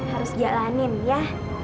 harus jalanin ya